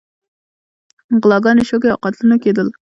غلاګانې، شوکې او قتلونه کېدل.